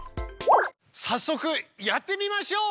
さっそくやってみましょう！